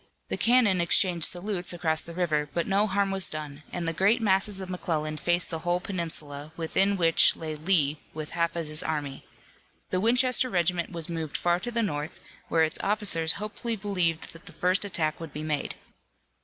The cannon exchanged salutes across the little river, but no harm was done, and the great masses of McClellan faced the whole peninsula, within which lay Lee with half of his army. The Winchester regiment was moved far to the north, where its officers hopefully believed that the first attack would be made.